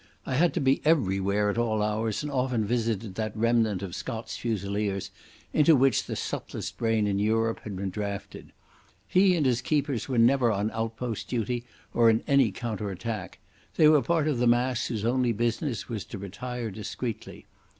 I had to be everywhere at all hours, and often visited that remnant of Scots Fusiliers into which the subtlest brain in Europe had been drafted. He and his keepers were never on outpost duty or in any counter attack. They were part of the mass whose only business was to retire discreetly.